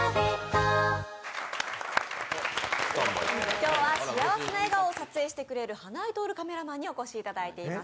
今日は幸せな笑顔を撮影してくれる花井カメラマンにお越しいただいています。